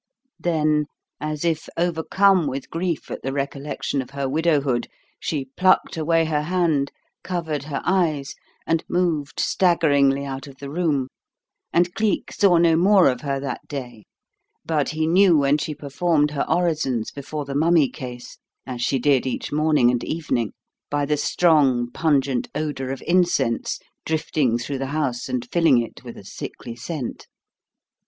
Then, as if overcome with grief at the recollection of her widowhood, she plucked away her hand, covered her eyes, and moved staggeringly out of the room. And Cleek saw no more of her that day; but he knew when she performed her orisons before the mummy case as she did each morning and evening by the strong, pungent odour of incense drifting through the house and filling it with a sickly scent.